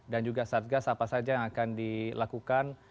dan juga satgas apa saja yang akan dilakukan